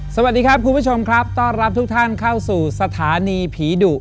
สวัสดีครับคุณผู้ชมครับต้อนรับทุกท่านเข้าสู่สถานีผีดุ